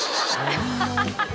アハハハ。